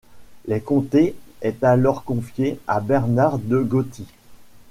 Le comté est alors confié à Bernard de Gothie.